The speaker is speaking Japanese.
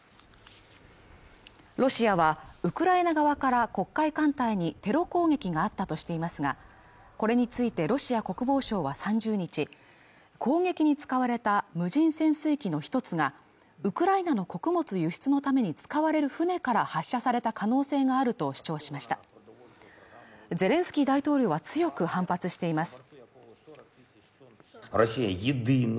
ロシアはウクライナ側から黒海艦隊にテロ攻撃があったとしていますがこれについてロシア国防省は３０日攻撃に使われた無人潜水機の１つがウクライナの穀物輸出のために使われる船から発射された可能性があると主張しましたゼレンスキー大統領は強く反発しています